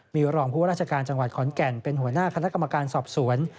มีรองผู้ว่าราชการจังหวัดขอนแก่นเป็นหัวหน้าคณะกรรมการสอบสวน